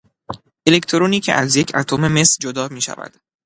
الکترونی که از یک اتم مس جدا میشود